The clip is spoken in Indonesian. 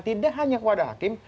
tidak hanya kepada hakim